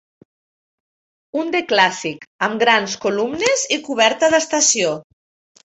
Un de clàssic, am grans columnes i coberta d'estació